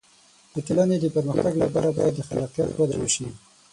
د ټولنې د پرمختګ لپاره باید د خلاقیت وده وشي.